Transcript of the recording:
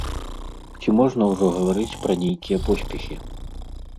Ці можна ўжо гаварыць пра нейкія поспехі?